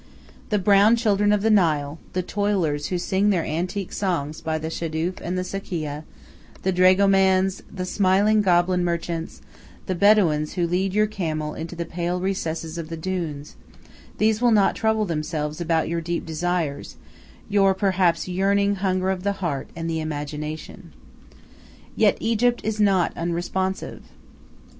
The brown children of the Nile, the toilers who sing their antique songs by the shadoof and the sakieh, the dragomans, the smiling goblin merchants, the Bedouins who lead your camel into the pale recesses of the dunes these will not trouble themselves about your deep desires, your perhaps yearning hunger of the heart and the imagination. Yet Egypt is not unresponsive.